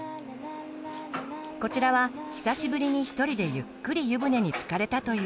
こちらは久しぶりに一人でゆっくり湯船につかれたというママ。